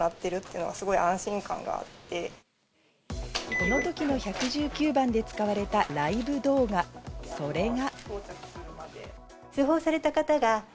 この時の１１９番で使われたライブ動画、それが。